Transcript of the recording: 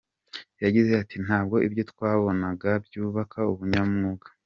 Yagize ati “Ntabwo ibyo twabonaga byubaka ubunyamwuga.